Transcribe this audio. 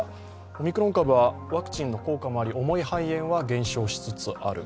オミクロン株はワクチンの効果もあり、重い肺炎は減少しつつある。